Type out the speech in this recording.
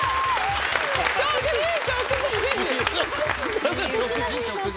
何なん「食事！食事！」